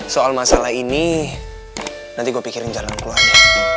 soal masalah ini nanti gue pikirin caranya keluar ya